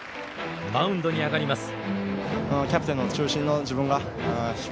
マウンドに上がります。